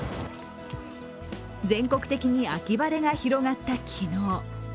全国的に秋晴れが広がった昨日。